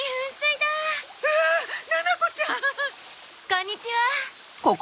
こんにちは。